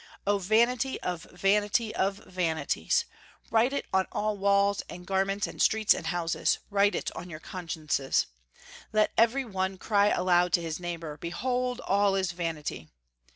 Oh, vanity of vanity of vanities! Write it on all walls and garments and streets and houses: write it on your consciences. Let every one cry aloud to his neighbor, Behold, all is vanity!